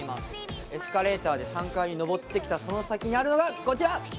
エスカレーターで３階に上ってきたその先にあるのがこちら！